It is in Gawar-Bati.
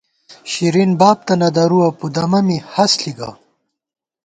شرین باب تہ نہ درُوَہ پُدَمہ می ہست ݪی گہ